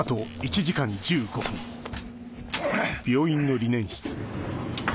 うっ！